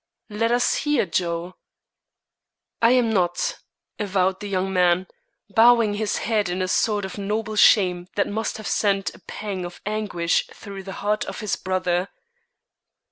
Let us hear, Joe." "I am not!" avowed the young man, bowing his head in a sort of noble shame that must have sent a pang of anguish through the heart of his brother.